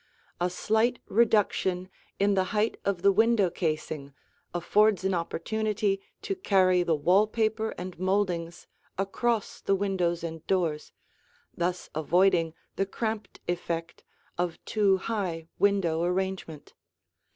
A slight reduction in the height of the window casing affords an opportunity to carry the wall paper and moldings across the windows and doors, thus avoiding the cramped effect of too high window arrangement.